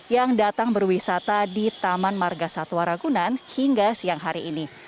yang datang berwisata di taman marga satwa ragunan hingga siang hari ini